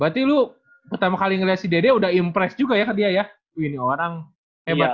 berarti lu pertama kali ngeliat si dede udah impress juga ya ke dia ya wih ini orang hebat ya